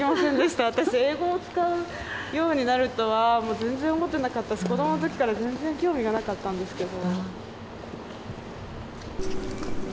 英語を使うようになるとはもう全然思ってなかったし子どものときから全然興味がなかったんですけど。